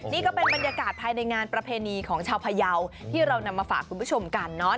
นี่ก็เป็นบรรยากาศภายในงานประเพณีของชาวพยาวที่เรานำมาฝากคุณผู้ชมกันเนาะ